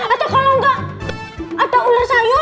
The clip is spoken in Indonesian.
atau kalau enggak ada ular sayur